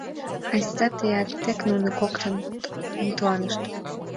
— Айста теат, тек нуно коктын мутланышт.